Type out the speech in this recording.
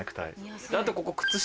あとここ靴下。